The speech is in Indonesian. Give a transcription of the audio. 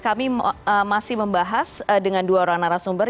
kami masih membahas dengan dua orang narasumber